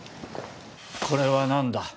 これは何だ？